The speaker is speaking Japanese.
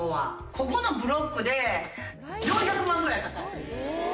ここのブロックで４００万ぐらいかかってる。